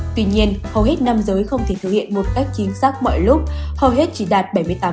tuy nhiên hầu hết nam giới không thể thực hiện một cách chính xác mọi lúc hầu hết chỉ đạt bảy mươi tám